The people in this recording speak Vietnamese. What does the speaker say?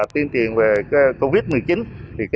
tiền tiền về covid một mươi chín